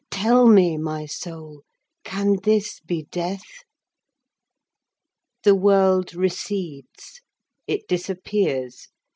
Tell me, my soul, can this be death? The world recedes; it disappears!